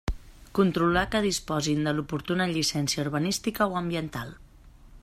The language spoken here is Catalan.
Controlar que disposin de l'oportuna llicència urbanística o ambiental.